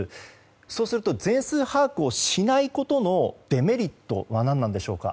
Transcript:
そうすると全数把握をしないことのデメリットは何なんでしょうか。